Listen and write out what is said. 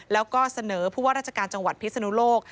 และก็เสนอเพราะราชการจังหวัดภิกษณุโรค